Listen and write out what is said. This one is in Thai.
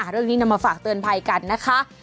เรื่องนี้นำมาฝากเตือนภัยกันนะคะ